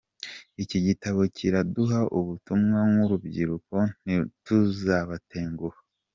Iki gitabo kiraduha ubutumwa nk’urubyiruko ntituzabatenguha.